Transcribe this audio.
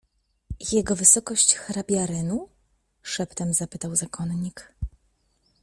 Jego wysokość hrabia Renu? — szeptem zapytał zakonnik.